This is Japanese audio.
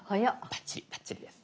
バッチリバッチリです。